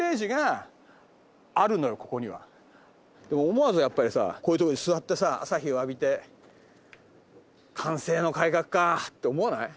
思わずやっぱりさこういうとこに座ってさ朝日を浴びて「寛政の改革か」って思わない？